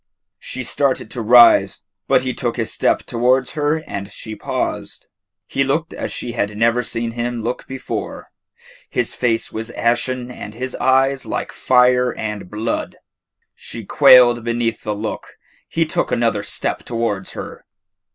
She started to rise, but he took a step towards her and she paused. He looked as she had never seen him look before. His face was ashen and his eyes like fire and blood. She quailed beneath the look. He took another step towards her.